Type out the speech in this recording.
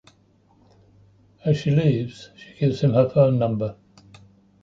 As she leaves, she gives him her phone number.